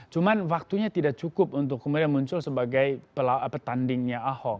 cuman waktunya tidak cukup untuk kemudian muncul sebagai petandingnya ahok